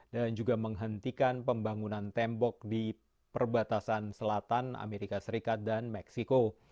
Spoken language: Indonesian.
dan juga menghentikan pembangunan tembok di perbatasan selatan amerika serikat dan meksiko